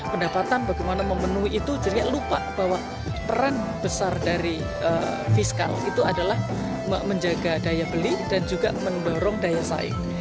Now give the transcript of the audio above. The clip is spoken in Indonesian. pendapatan bagaimana memenuhi itu jadi lupa bahwa peran besar dari fiskal itu adalah menjaga daya beli dan juga mendorong daya saing